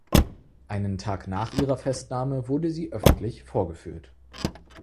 Einen Tag nach ihrer Festnahme wurde sie öffentlich vorgeführt.